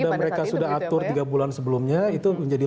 yang mereka sudah atur tiga bulan sebelumnya itu menjadi